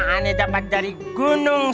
ini dapat dari gunung